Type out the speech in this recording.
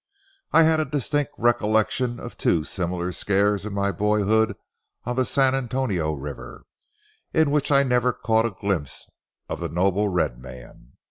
I had a distinct recollection of two similar scares in my boyhood on the San Antonio River, in which I never caught a glimpse of the noble red man.